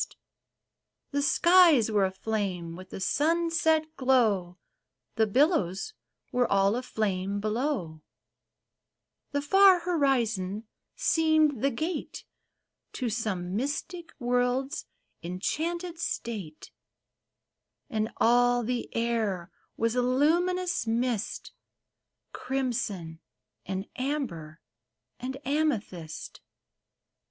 THE THREE SHIPS The skies were aflame with the sunset glow, The billows were all aflame ,below ; The far horizon seemed the gate To some mystic world's enchanted state ; And all the air was a luminous mist, Crimson and amber and amethyst.